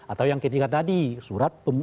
atau yang ketiga tadi surat